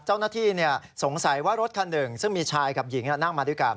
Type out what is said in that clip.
เจ้าหน้าที่สงสัยว่ารถคันหนึ่งซึ่งมีชายกับหญิงนั่งมาด้วยกัน